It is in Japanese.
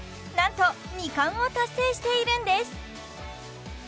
なんと２冠を達成しているんです